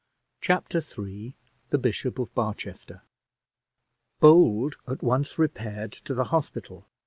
Chapter III THE BISHOP OF BARCHESTER Bold at once repaired to the hospital.